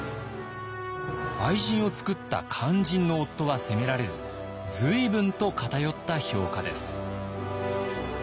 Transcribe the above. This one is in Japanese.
愛人を作った肝心の夫は責められず随分と偏った評価です。